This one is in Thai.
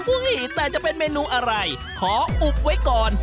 แต่จะเป็นเมนูอะไรขออุบไว้ก่อน